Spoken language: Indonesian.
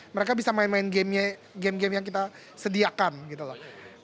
mereka bisa main main game game yang kita sediakan gitu loh